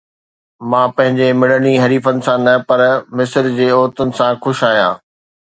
مان پنهنجي مڙني حريفن سان نه، پر مصر جي عورتن سان خوش آهيان